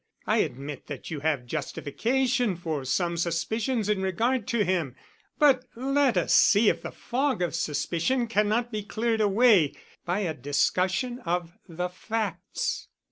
I admit that you have justification for some suspicions in regard to him, but let us see if the fog of suspicion cannot be cleared away by a discussion of the facts."